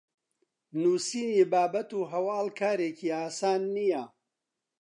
نوسینی بابەت و هەواڵ کارێکی ئاسان نییە